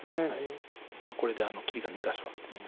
これで切りが２か所あってという。